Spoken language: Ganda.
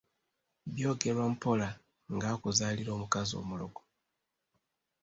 Byogerwa mpola, ng’akuzaalira omukazi mulogo.